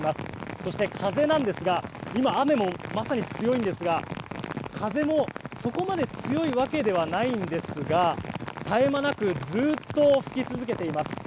そして風ですが今、雨もまさに強いんですが風も、そこまで強いわけではないんですが絶え間なくずっと吹き続けています。